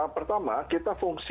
pertama kita fungsi